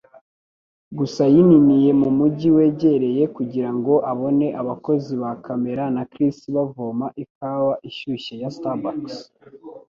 gusa yininiye mumujyi wegereye kugirango abone abakozi ba kamera & Chris bavoma ikawa ishyushye ya Starbucks.